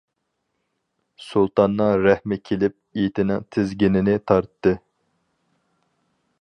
سۇلتاننىڭ رەھمى كېلىپ ئېتىنىڭ تىزگىنىنى تارتتى.